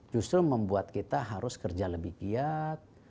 justru membuat kita harus kerja lebih giat